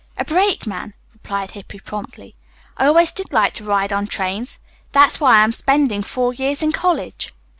"A brakeman," replied Hippy promptly. "I always did like to ride on trains. That's why I am spending four years in college."